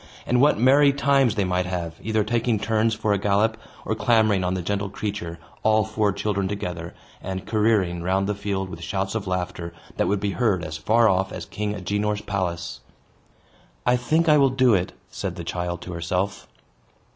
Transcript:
And what merry times they might have, either taking turns for a gallop, or clambering on the gentle creature, all four children together, and careering round the field with shouts of laughter that would be heard as far off as King Agenor's palace! "I think I will do it," said the child to herself.